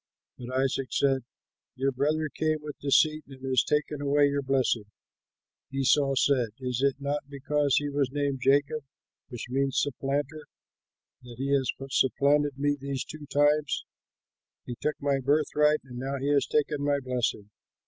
But Isaac said, "Your brother came with deceit and has taken away your blessing." Esau said, "Is it not because he was named Jacob, which means Supplanter, that he has supplanted me these two times: he took my birthright, and now he has taken my blessing!"